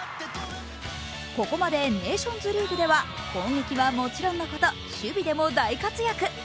ここまでネーションズリーグでは攻撃はもちろんのこと守備でも大活躍。